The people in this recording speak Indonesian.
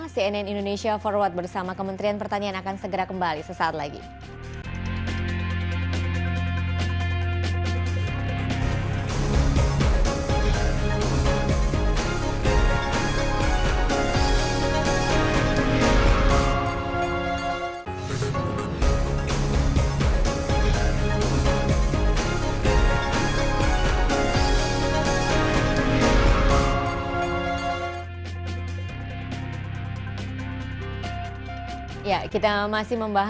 cnn indonesia forward bersama kementerian pertanian akan segera kembali sesaat lagi